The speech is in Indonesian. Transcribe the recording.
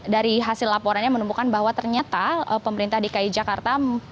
dari hasil laporannya menemukan bahwa ternyata pemerintah dki jakarta